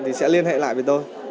thì sẽ liên hệ lại với tôi